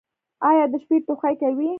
ایا د شپې ټوخی کوئ؟